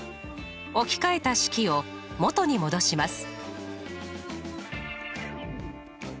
置き換えた式を元に戻します。